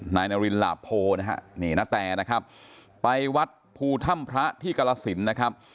นายนารินหลาโพนะฮะนี่นาแตนะครับไปวัดภูถ้ำพระที่กรสินนะครับ